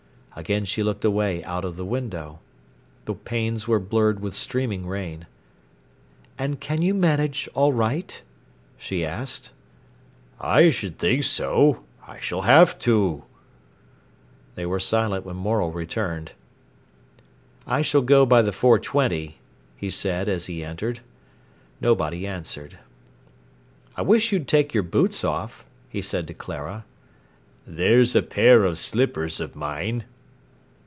Again she looked away out of the window. The panes were blurred with streaming rain. "And can you manage all right?" she asked. "I s'd think so. I s'll have to!" They were silent when Morel returned. "I shall go by the four twenty," he said as he entered. Nobody answered. "I wish you'd take your boots off," he said to Clara. "There's a pair of slippers of mine."